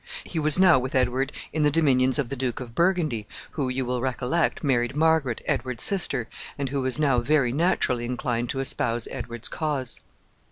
He was now with Edward in the dominions of the Duke of Burgundy, who, you will recollect, married Margaret, Edward's sister, and who was now very naturally inclined to espouse Edward's cause.